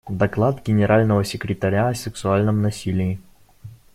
Доклад Генерального секретаря о сексуальном насилии.